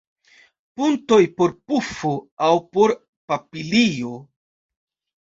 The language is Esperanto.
Puntoj por pufo aŭ por papilio?